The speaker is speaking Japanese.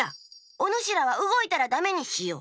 おぬしらはうごいたらダメにしよう。